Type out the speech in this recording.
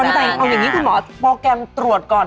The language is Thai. แต่เอาอย่างนี้คุณหมอโปรแกรมตรวจก่อน